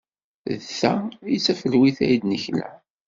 D ta ay d tafelwit ay d-nekla.